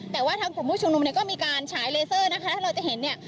แต่ว่าทางกลุ่มผู้ชุมนุมเนี่ยก็มีการฉายเลเซอร์นะคะถ้าเราจะเห็นเนี่ย